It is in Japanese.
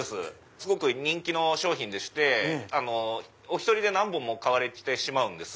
すごく人気の商品でしてお１人で何本も買われてしまうんです。